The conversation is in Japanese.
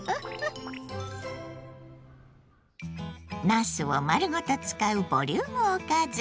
なすを丸ごと使うボリュームおかず。